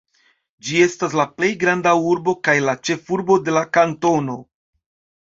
Ĝi estas la plej granda urbo, kaj la ĉefurbo de la kantono.